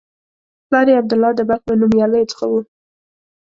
پلار یې عبدالله د بلخ له نومیالیو څخه و.